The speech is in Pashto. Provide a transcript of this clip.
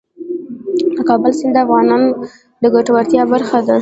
د کابل سیند د افغانانو د ګټورتیا برخه ده.